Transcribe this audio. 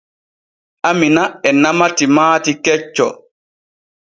Amina e nama timaati kecco.